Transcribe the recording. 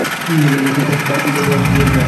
কী করবে, হাহ?